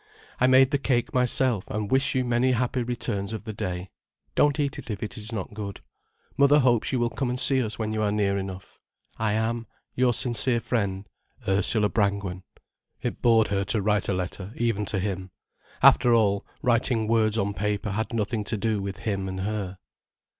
I made the cake myself, and wish you many happy returns of the day. Don't eat it if it is not good. Mother hopes you will come and see us when you are near enough._ "I am "Your Sincere Friend, "Ursula Brangwen." It bored her to write a letter even to him. After all, writing words on paper had nothing to do with him and her.